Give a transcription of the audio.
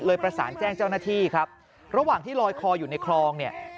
ประสานแจ้งเจ้าหน้าที่ครับระหว่างที่ลอยคออยู่ในคลองเนี่ย